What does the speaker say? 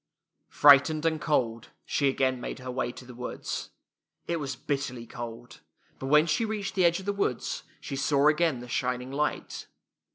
Frightened and cold, she again made her way to the woods. It was bitterly cold ; but when she reached the edge of the woods she saw again the shining light.